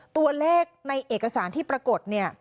ตัวเลขในเอกสารที่ปรากฏเนี่ย